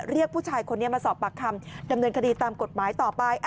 เรียกผู้ชายคนนี้มาสอบปากคำดำเนินคดีตามกฎหมายต่อไป